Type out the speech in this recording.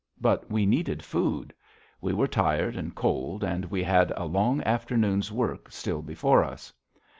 But we needed food. We were tired and cold, and we had a long afternoon's work still before us.